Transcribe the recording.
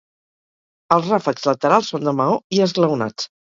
Els ràfecs laterals són de maó i esglaonats.